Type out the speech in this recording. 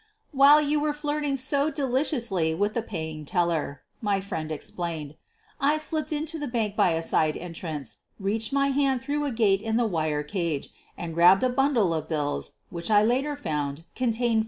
"While you were flirting so deliciously with the paying teller," my friend explained, "I slipped into the bank by a side entrance, reached my hand through a gate in the wire cage and grabbed a bun dle of bills, which I later found to contain $4,000.'